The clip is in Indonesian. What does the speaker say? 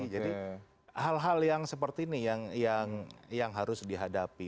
jadi hal hal yang seperti ini yang harus dihadapi